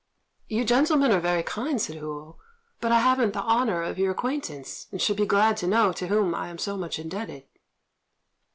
"You gentlemen are very kind," said Hou, "but I haven't the honour of your acquaintance, and should be glad to know to whom I am so much indebted."